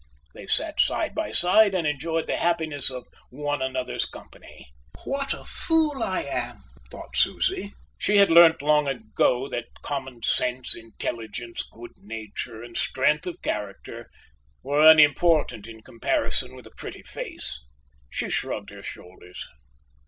They sat side by side and enjoyed the happiness of one another's company. "What a fool I am!" thought Susie. She had learnt long ago that common sense, intelligence, good nature, and strength of character were unimportant in comparison with a pretty face. She shrugged her shoulders.